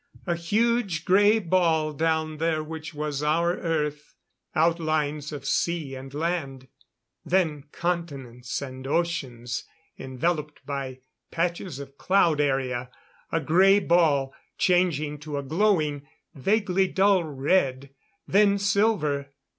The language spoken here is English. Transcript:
A huge grey ball down there which was our Earth. Outlines of sea and land. Then continents and oceans, enveloped by patches of cloud area. A grey ball, changing to a glowing, vaguely dull red; then silver.